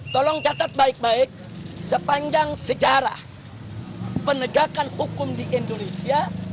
tolong catat baik baik sepanjang sejarah penegakan hukum di indonesia